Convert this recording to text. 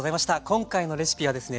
今回のレシピはですね